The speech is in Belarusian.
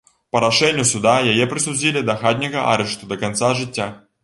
Па рашэнню суда яе прысудзілі да хатняга арышту да канца жыцця.